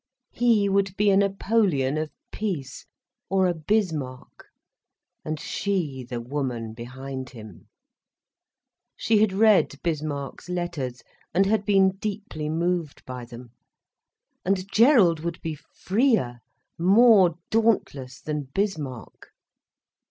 He would be a Napoleon of peace, or a Bismarck—and she the woman behind him. She had read Bismarck's letters, and had been deeply moved by them. And Gerald would be freer, more dauntless than Bismarck.